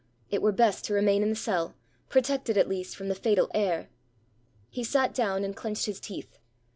It were best to remain in the cell, protected, at least, from the fatal air. He sat down and clenched his teeth.